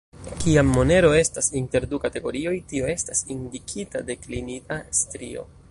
Kiam monero estas inter du kategorioj, tio estas indikita de klinita strio.